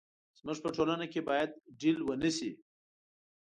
زموږ په ټولنه کې باید ډيل ونه شي.